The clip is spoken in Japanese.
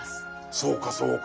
そうかそうか。